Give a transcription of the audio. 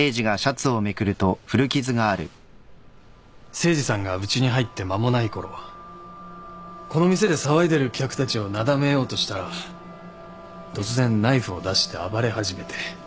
誠司さんがうちに入って間もないころこの店で騒いでる客たちをなだめようとしたら突然ナイフを出して暴れ始めて。